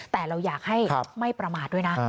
แต่เราอยากให้ไม่ประมาทด้วยนะ